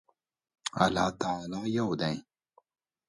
الله یو دی